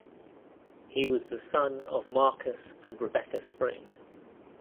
He was the son of Marcus and Rebecca Spring.